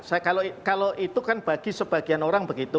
saya kalau itu kan bagi sebagian orang begitu